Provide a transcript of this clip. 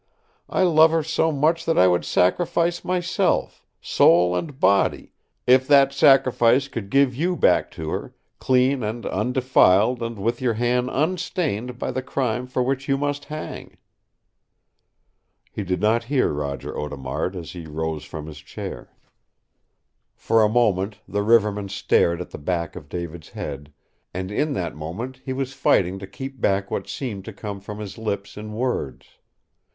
I love her so much that I would sacrifice myself soul and body if that sacrifice could give you back to her, clean and undefiled and with your hand unstained by the crime for which you must hang!" He did not hear Roger Audemard as he rose from his chair. For a moment the riverman stared at the back of David's head, and in that moment he was fighting to keep back what wanted to come from his lips in words.